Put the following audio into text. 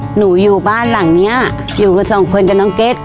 อยู่บ้านหลังนี้อยู่กับสองคนกับน้องเก็ต